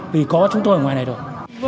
vì có chúng tôi ở ngoài này rồi